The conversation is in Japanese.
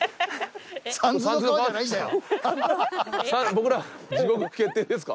僕ら地獄決定ですか？